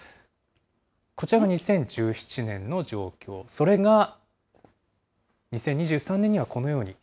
こちらが２０１７年の状況、それが、２０２３年にはこのように。